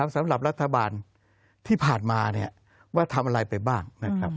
สำหรับรัฐบาลที่ผ่านมาว่าทำอะไรไปบ้างนะครับ